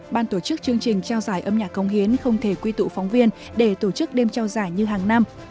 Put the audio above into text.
ban tổ chức chương trình trao giải âm nhạc công hiến không thể quy tụ phóng viên để tổ chức đêm trao giải như hàng năm